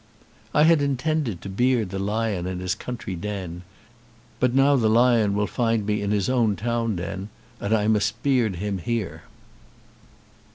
"I had intended to beard the lion in his country den; but now the lion will find me in his own town den, and I must beard him here."